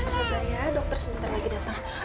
sadar ya dokter sebentar lagi dateng